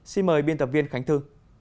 xin mời biên tập viên khánh thư